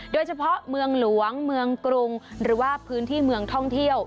โดยเฉพาะเมืองหลวงเมืองกรุงหรือว่าพื้นที่เมืองท่องเที่ยว